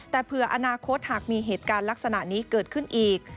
แต่เผื่ออนาคตหากมีเหตุการณ์ลักษณะนี้เกิดขึ้นอีก